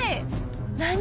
何？